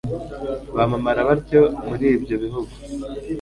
bamamara batyo muri ibyo bihugu